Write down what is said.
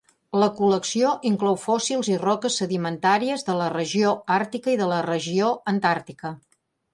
La col·lecció inclou fòssils i roques sedimentàries de la regió àrtica i la regió antàrtica.